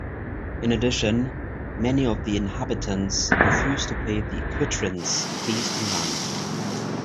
In addition, many of the inhabitants refused to pay the quitrents, fees on land.